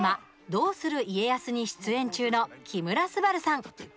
「どうする家康」に出演中の木村昴さん。